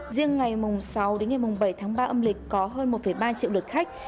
riêng ngày sáu đến ngày bảy tháng ba âm lịch có hơn một ba triệu lượt khách